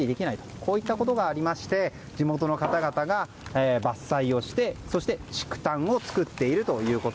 こういったことがありまして地元の方々が伐採をしてそして、竹炭を作っていると。